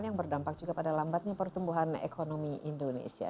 yang berdampak juga pada lambatnya pertumbuhan ekonomi indonesia